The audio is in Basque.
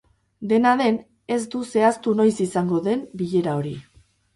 Dena den, ez du zehaztu noiz izango den bilera hori.